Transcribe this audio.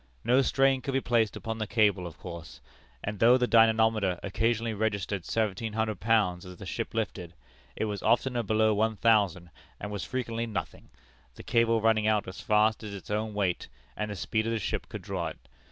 No strain could be placed upon the cable, of course; and though the dynamometer occasionally registered seventeen hundred pounds as the ship lifted, it was oftener below one thousand, and was frequently nothing, the cable running out as fast as its own weight and the speed of the ship could draw it.